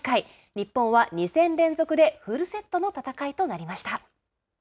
日本は２戦連続でフルセットの戦いとなりました。